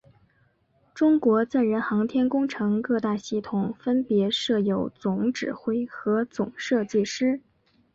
中国载人航天工程各大系统分别设有总指挥和总设计师。